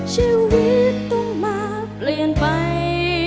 ชีวิตต้องมาเปลี่ยนไป